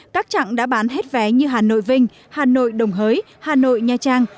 các trạng đã bán hết vé như hà nội vinh hà nội đồng hới hà nội nha trang